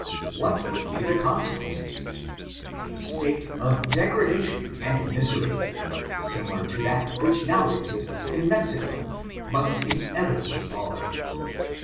What would be the consequence? A state of degradation and misery, similar to that which now exists in Mexico, must inevitably follow.